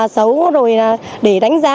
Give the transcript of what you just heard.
xấu rồi để đánh giá